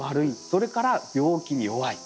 それから病気に弱い。